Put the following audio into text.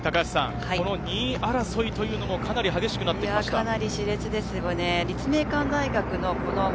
高橋さん、２位争いというのもかなり激しくなっていますね。